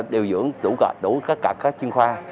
điều dưỡng đủ cả các chương khoa